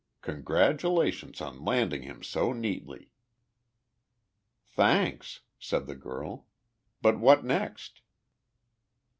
Congratulations on landing him so neatly!" "Thanks," said the girl, "but what next?"